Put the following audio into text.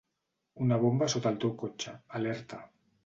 Una bomba sota el teu cotxe, alerta.